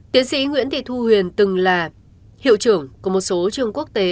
tiến sĩ nguyễn thị thu huyền từng là hiệu trưởng của một số trường quốc tế